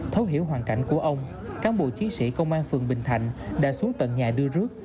thấu hiểu hoàn cảnh của ông cán bộ chiến sĩ công an phường bình thạnh đã xuống tận nhà đưa rước